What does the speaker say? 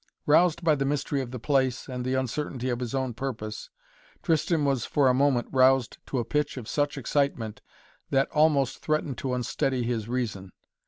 Roused by the mystery of the place and the uncertainty of his own purpose, Tristan was, for a moment, roused to a pitch of such excitement that almost threatened to unsteady his reason.